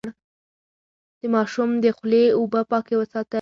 د ماشوم د خولې اوبه پاکې وساتئ.